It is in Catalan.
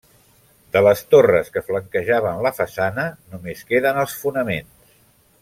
De les torres que flanquejaven la façana només queden els fonaments.